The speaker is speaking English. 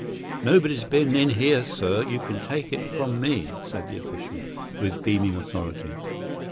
"Nobody's been in here, sir, you can take it from me," said the official, with beaming authority.